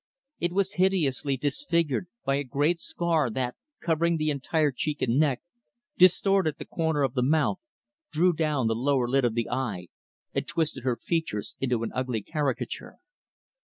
It was hideously disfigured by a great scar that covering the entire cheek and neck distorted the corner of the mouth, drew down the lower lid of the eye, and twisted her features into an ugly caricature.